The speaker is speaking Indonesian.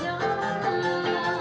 kerajaan yang lebih baik